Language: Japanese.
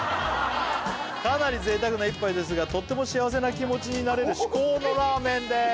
「かなり贅沢な一杯ですがとっても幸せな気持ちになれる」「至高のラーメンです」